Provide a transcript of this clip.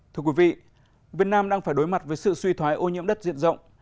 thưa quý vị việt nam đang phải đối mặt với sự suy thoái ô nhiễm đất diện rộng